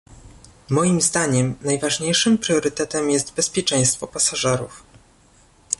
Moim zdaniem najważniejszym priorytetem jest bezpieczeństwo pasażerów